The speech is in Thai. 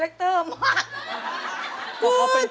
เป็นเรื่องราวของแม่นาคกับพี่ม่าครับ